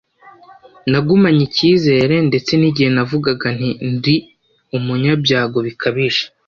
nagumanye icyizere, ndetse n'igihe navugaga nti ndi umunyabyago bikabije